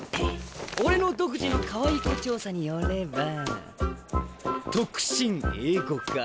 俺の独自のかわいい子調査によれば特進英語科。